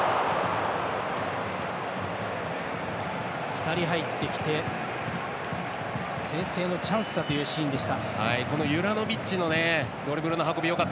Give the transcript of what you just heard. ２人入ってきて先制のチャンスかというシーンでした。